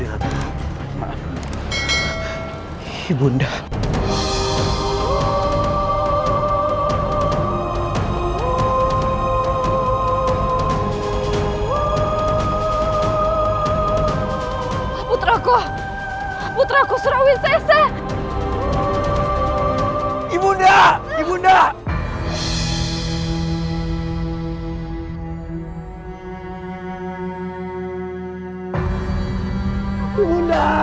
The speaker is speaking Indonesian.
akhirnya aku bertemu denganmu